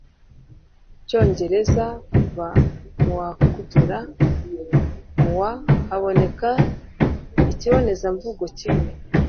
cyongereza. kuva mu wa kugera mu wa , haboneka ikibonezamvugo kimwe